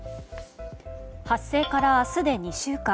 発生から明日で２週間。